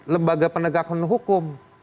lembaga penegakan hukum